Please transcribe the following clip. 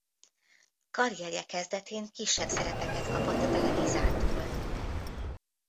Karrierje kezdetén kisebb szerepeket kapott a Televisától.